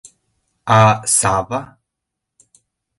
А Сава?